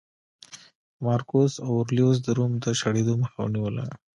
مارکوس اورلیوس د روم د شړېدو مخه ونیوله